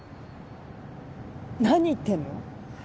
何言ってんの？